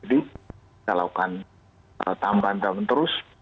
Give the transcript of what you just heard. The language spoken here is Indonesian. jadi kita lakukan tambahan tambahan terus